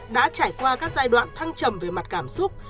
đã trải qua các giai đoạn thăng trầm về mặt cảm xúc